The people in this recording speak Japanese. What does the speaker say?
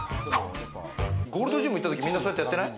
ゴールドジム行ったとき、みんなそうやってやってない？